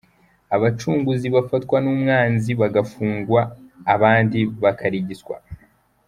– Abacunguzi bafatwa n’umwanzi bagafungwa, abandi bakarigiswa;